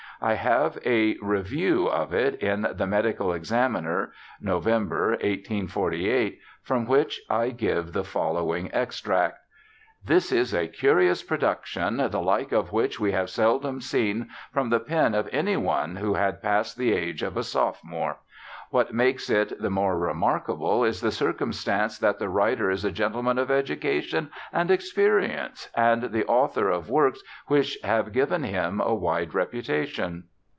I have a review of it in the Medical Examiner y November, 1848, from which I give the following extract : 'This is a curious production, the hke of which we have seldom seen from the pen of any one who had passed the age of a sophomore. What makes it the more remarkable is the circumstance that the writer is a gentleman of education and experience, and the author of works which have given him a wide repu tation.'